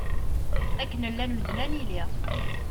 Akken llan medden ad nili.